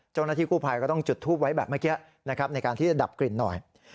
เจ้าหน้าที่กู้ภัยก็ต้องจุดทูปไว้แบบเมื่อกี้นะครับในการที่จะดับกลิ่นหน่อย